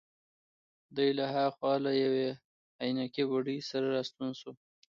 دی له هاخوا له یوې عینکې بوډۍ سره راستون شو.